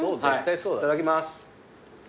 いただきます。